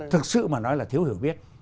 thực sự mà nói là thiếu hiểu biết